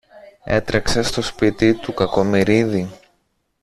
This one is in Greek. Έτρεξε στο σπίτι του Κακομοιρίδη